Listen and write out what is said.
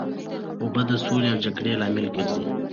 اوبه د سولې او جګړې لامل ګرځي.